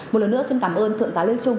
một lần nữa xin cảm ơn thượng tá lê trung